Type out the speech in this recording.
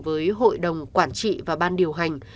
với hội đồng quản trị và ban điều hành